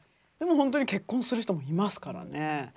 でもほんとに結婚する人もいますからね。